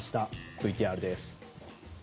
ＶＴＲです。